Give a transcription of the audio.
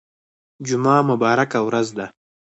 جمعه مبارکه ورځ ده